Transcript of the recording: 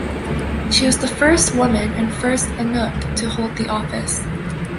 She was the first woman and first Inuk to hold the office.